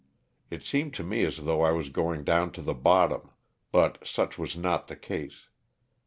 It seemed to me as though I was going down to the bottom, but such was not the case.